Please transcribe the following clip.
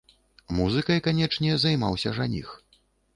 Музыкай, канечне, займаўся жаніх.